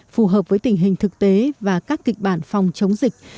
phù hợp với tình hình thực tế và các kịch bản phòng chống dịch